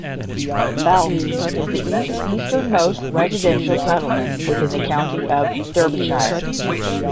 Belph is the easternmost residential settlement within the county of Derbyshire.